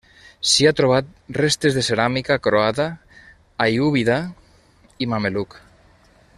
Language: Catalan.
S'hi ha trobat restes de ceràmica croada, aiúbida i mameluc.